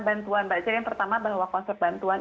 bantuan baca yang pertama bahwa konsep bantuan